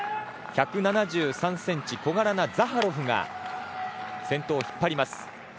１７３ｃｍ、小柄なザハロフが先頭を引っ張ります。